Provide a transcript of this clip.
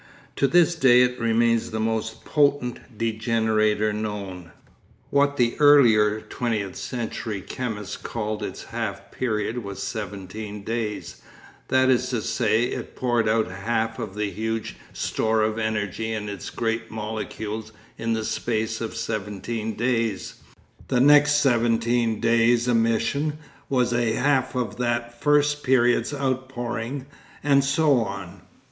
To this day it remains the most potent degenerator known. What the earlier twentieth century chemists called its half period was seventeen days; that is to say, it poured out half of the huge store of energy in its great molecules in the space of seventeen days, the next seventeen days' emission was a half of that first period's outpouring, and so on.